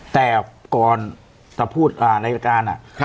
แต่ก่อนจะพูดรายการอ่ะ